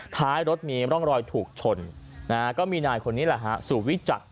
ท้ายรถมีร่องรอยถูกชนนะฮะก็มีนายคนนี้แหละฮะสู่วิจักร